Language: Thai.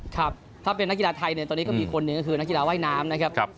ครับถ้าเป็นนักกีฬาไทยเนี่ยตอนนี้ก็มีคนหนึ่งก็คือนักกีฬาว่ายน้ำนะครับ